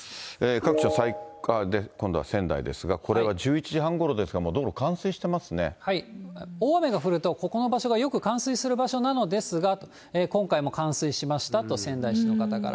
各地の、今度は仙台ですが、これは１１時半ごろですから、大雨が降ると、ここの場所がよく冠水する場所なのですが、今回も冠水しましたと仙台市の方から。